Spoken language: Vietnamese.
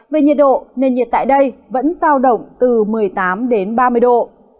về nhiệt độ nền nhiệt tại đây vẫn giao động từ một mươi tám đến ba mươi độ